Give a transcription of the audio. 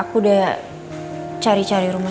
aku udah cari cari rumah